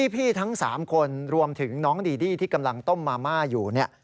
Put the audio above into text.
ทั้ง๓คนรวมถึงน้องดีดี้ที่กำลังต้มมาม่าอยู่เนี่ย